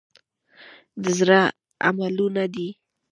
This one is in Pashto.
د زړه عملونه دي .